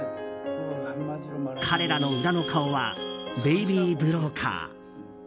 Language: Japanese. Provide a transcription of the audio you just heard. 彼らの裏の顔はベイビー・ブローカー。